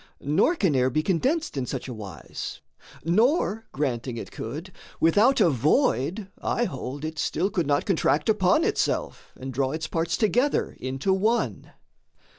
Nor can air be condensed in such a wise; Nor, granting it could, without a void, I hold, It still could not contract upon itself And draw its parts together into one.